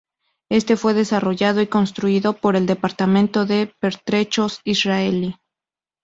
Este fue desarrollado y construido por el Departamento de Pertrechos Israelí.